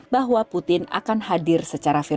bahwa putin akan hadir secara virtual